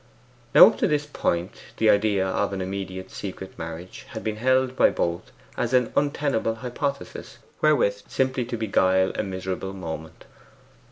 Now up to this point the idea of an immediate secret marriage had been held by both as an untenable hypothesis, wherewith simply to beguile a miserable moment.